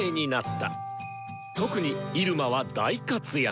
特に入間は大活躍！